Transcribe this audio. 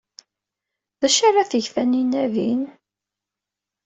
D acu ara teg Taninna din?